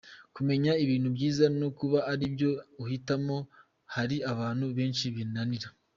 Kumenya ibintu byiza no kuba ari byo uhitamo hari abantu benshi binanira.